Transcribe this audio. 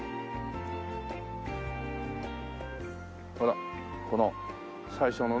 ほらこの最初のね。